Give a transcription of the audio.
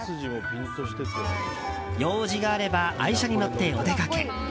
用事があれば愛車に乗ってお出かけ。